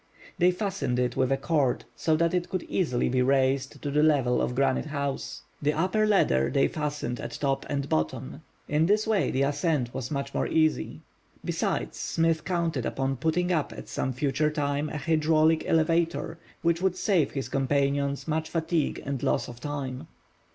They fastened it with a cord so that it could easily be raised to the level of Granite House. The upper ladder they fastened at top and bottom. In this way the ascent was much more easy. Besides, Smith counted upon putting up at some future time a hydraulic elevator, which would save his companions much fatigue and loss of time.